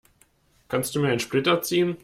Kannst du mir einen Splitter ziehen?